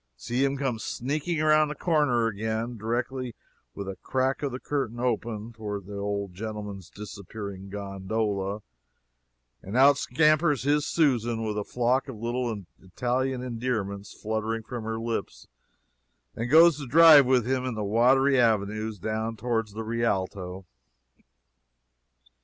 see him come sneaking around the corner again, directly, with a crack of the curtain open toward the old gentleman's disappearing gondola, and out scampers his Susan with a flock of little Italian endearments fluttering from her lips, and goes to drive with him in the watery avenues down toward the Rialto.